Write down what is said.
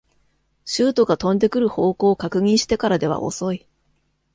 シュートが飛んでくる方向を確認してからでは遅い